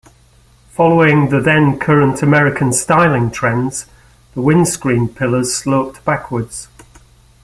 Following then current American styling trends, the windscreen pillars sloped backwards.